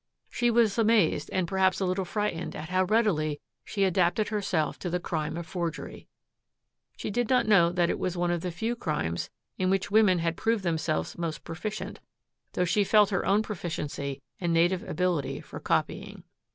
She was amazed and perhaps a little frightened at how readily she adapted herself to the crime of forgery. She did not know that it was one of the few crimes in which women had proved themselves most proficient, though she felt her own proficiency and native ability for copying.